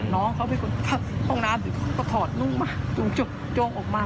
น้องเขาไปกดห้องน้ำหรือเขาก็ถอดนุ่งมาจงโจ้งออกมา